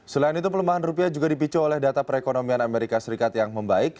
selain itu pelemahan rupiah juga dipicu oleh data perekonomian amerika serikat yang membaik